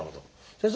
先生。